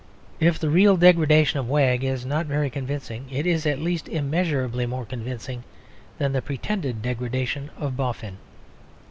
If the real degradation of Wegg is not very convincing, it is at least immeasurably more convincing than the pretended degradation of Boffin.